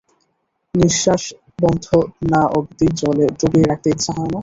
নিশ্বাস বন্ধ না অব্ধি জলে চুবিয়ে রাখতে ইচ্ছা হয় না?